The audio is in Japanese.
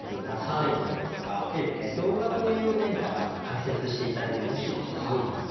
たくさんあると思うんですが動画という面から解説して頂いてよろしいでしょうか？